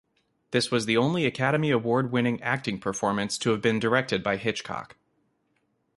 This was the only Academy Award-winning acting performance to have been directed by Hitchcock.